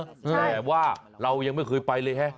แต่ว่าเรายังไม่เคยไปเลยฮะ